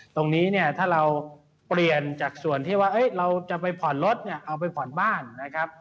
ตรงนี้เนี่ยถ้าเราเปลี่ยนจากส่วนที่ว่าเราจะไปผ่อนรถเนี่ยเอาไปผ่อนบ้านนะครับ